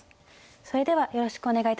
それではよろしくお願いいたします。